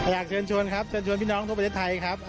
อยากเชิญชวนพี่น้องทุกประเทศไทย